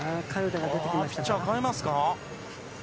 ピッチャー代えますか。